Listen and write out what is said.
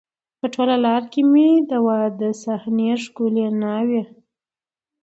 په ټوله لار کې مې د واده صحنې، ښکلې ناوې،